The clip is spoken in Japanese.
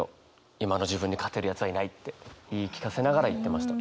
今の自分に勝てるやつはいない」って言い聞かせながら行ってました。